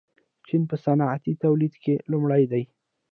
چین په صنعتي تولید کې لومړی دی.